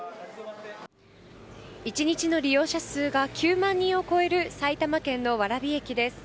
１日の利用者数が９万人を超える埼玉県の蕨駅です。